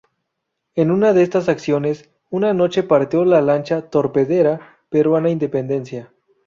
En una de estas acciones, una noche partió la lancha torpedera peruana "Independencia".